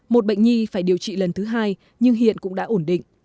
một bệnh nhi phải điều trị lần thứ hai nhưng hiện cũng đã ổn định